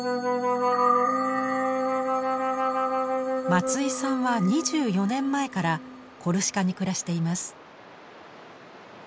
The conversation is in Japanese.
松井さんは２４年前からコルシカに暮らしています。